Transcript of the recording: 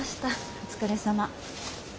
お疲れさま。